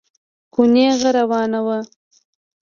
خو نېغه روانه وه.